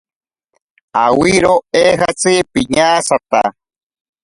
Awiro eejatzi piñatsata.